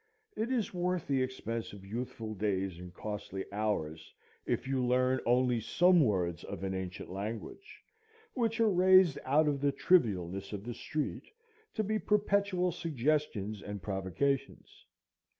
It is worth the expense of youthful days and costly hours, if you learn only some words of an ancient language, which are raised out of the trivialness of the street, to be perpetual suggestions and provocations.